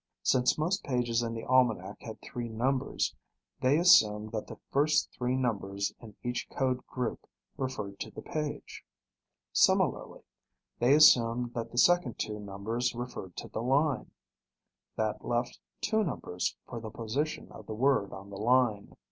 Since most pages in the Almanac had three numbers, they assumed that the first three numbers in each code group referred to the page. Similarly, they assumed that the second two numbers referred to the line. That left two numbers for the position of the word on the line.